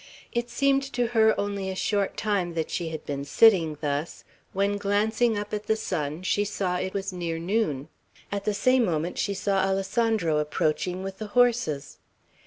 It seemed to her only a short time that she had been sitting thus, when, glancing up at the sun, she saw it was near noon; at the same moment she saw Alessandro approaching, with the horses.